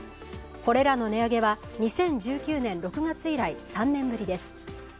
これらの値上げは２０１９年６月以来３年ぶりです。